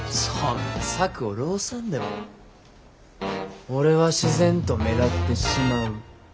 そんな策を弄さんでも俺は自然と目立ってしまう。